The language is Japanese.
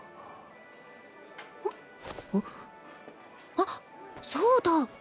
あっそうだ！